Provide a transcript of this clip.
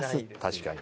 確かに。